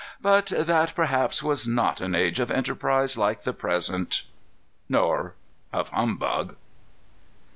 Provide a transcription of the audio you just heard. But that perhaps was not an age of enterprise like the present, nor of humbug."